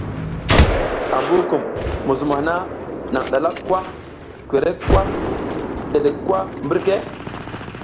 Ambukum, muzum hana nang ɗalak kwa, korek kwa dedek kwa mbirka ?